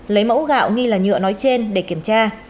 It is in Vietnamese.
lấy mẫu gạo nghi là nhựa nói trên để kiểm tra